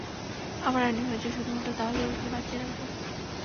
আমার রাণী হয়ে যাও, শুধুমাত্র তাহলেই ওকে বাঁচিয়ে রাখব!